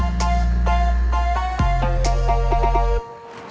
ini sudah kalahkan aku